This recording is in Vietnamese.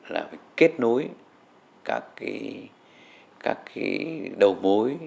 là kết nối các đầu bối